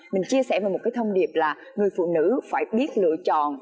mình chia sẻ về một cái thông điệp là người phụ nữ phải biết lựa chọn